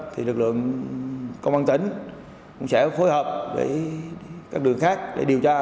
thì lực lượng công an tỉnh cũng sẽ phối hợp với các đường khác để điều tra